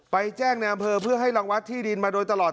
แจ้งในอำเภอเพื่อให้รังวัดที่ดินมาโดยตลอด